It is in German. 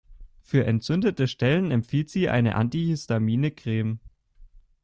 Für entzündete Stellen empfiehlt sie eine antihistamine Creme.